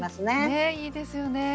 ねえいいですよね。